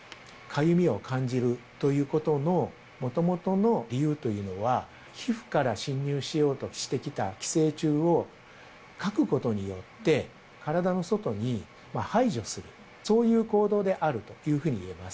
つまり、かゆみを感じるということのもともとの理由というのは、皮膚から進入しようとしてきた寄生虫をかくことによって体の外に排除する、そういう行動であるというふうにいえます。